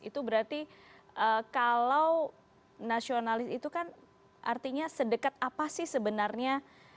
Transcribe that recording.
itu berarti kalau nasionalis itu kan artinya sedekat apa sih sebenarnya